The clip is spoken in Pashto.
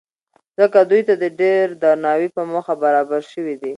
ځکه دوی ته د ډېر درناوۍ په موخه برابر شوي دي.